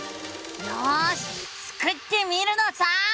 よしスクってみるのさ！